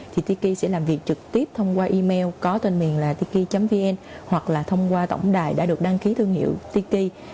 thì tiki sẽ làm việc trực tiếp thông qua email có tên miền là tiki vn hoặc là thông qua tổng đài đã được đăng ký thương hiệu tiki